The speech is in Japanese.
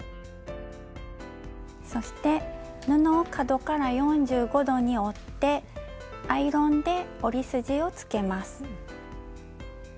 そして布を角から４５度に折ってアイロンで折り筋をつけます。